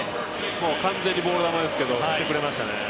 完全にボール球ですけど、振ってくれましたね。